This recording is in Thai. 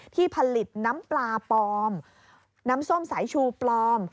ที่ผลิตน้ำปลาปลอมน้ำส้มสายชูปลอม